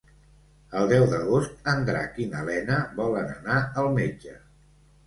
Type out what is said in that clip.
El deu d'agost en Drac i na Lena volen anar al metge.